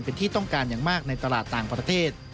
เป็นที่ต้องการอย่างมากในตลาดต่างประเทศ